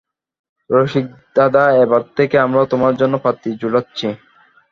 রসিকদাদা, এবার থেকে আমরাও তোমার জন্যে পাত্রী জোটাচ্ছি।